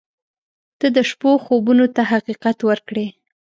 • ته د شپو خوبونو ته حقیقت ورکړې.